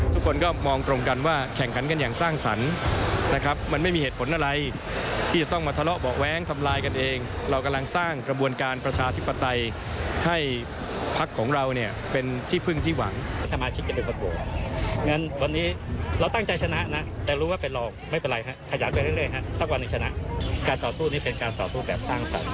สร้างพักและเปลี่ยนพักและเปลี่ยนประเทศ